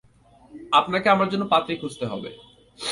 আপনাকে আমার জন্য পাত্রী খুঁজতে হবে।